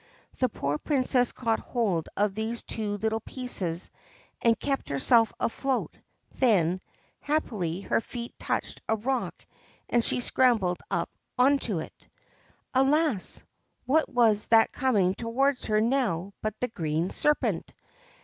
The poor Princess caught hold of these two little pieces and kept herself afloat ; then, happily, her feet touched a rock and she scrambled up on to it. Alas ! what was that coming towards her now but the Green Serpent